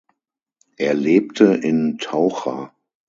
Er lebte in Taucha.